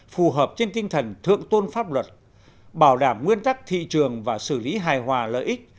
phù hợp trên tinh thần thượng tôn pháp luật bảo đảm nguyên tắc thị trường và xử lý hài hòa lợi ích